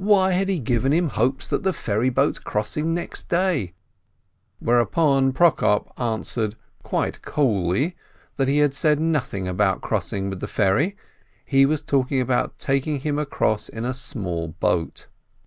Why had he given him hopes of the ferry boat's crossing next day ? Whereupon Prokop answered quite coolly that he had said nothing about crossing with the ferry, he was talking of taking him across in a small boat